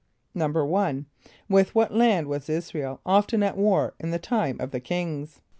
=1.= With what land was [)I][s+]´ra el often at war in the time of the Kings?